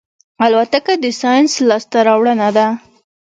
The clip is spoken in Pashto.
الوتکه د ساینس لاسته راوړنه ده.